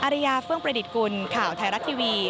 ริยาเฟื่องประดิษฐ์กุลข่าวไทยรัฐทีวี